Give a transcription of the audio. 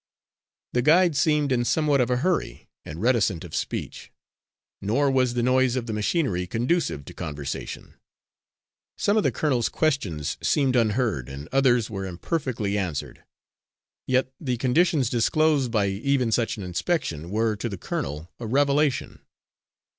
The guide seemed in somewhat of a hurry, and reticent of speech; nor was the noise of the machinery conducive to conversation. Some of the colonel's questions seemed unheard, and others were imperfectly answered. Yet the conditions disclosed by even such an inspection were, to the colonel, a revelation.